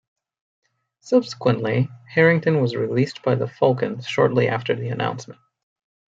Subsequently, Harrington was released by the Falcons shortly after the announcement.